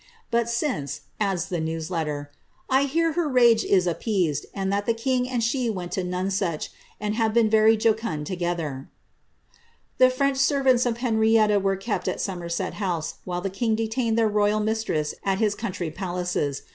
^ But since,'' adds the news letter, ^ 1 hear her rage is appeased, d that the king and she went to Nonsuch, and have been very jocund ledier." The French servants of Henrietta were kept at Somerset House, while e king detained their royal mistress at his country palaces.